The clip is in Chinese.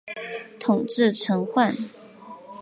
统制陈宧。